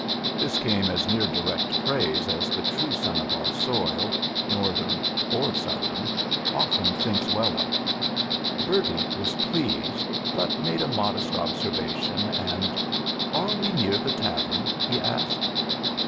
This came as near direct praise as the true son of our soil Northern or Southern often thinks well of. Bertie was pleased, but made a modest observation, and "Are we near the tavern?" he asked.